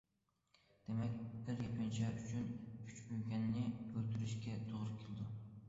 دېمەك، بىر يېپىنچا ئۈچۈن ئۈچ بۆكەننى ئۆلتۈرۈشكە توغرا كېلىدۇ.